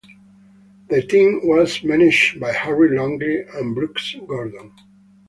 The team was managed by Harry Longley and Brooks Gordon.